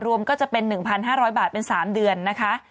รวมก็จะเป็น๑๕๐๐บาทเป็น๓เดือนนะคะ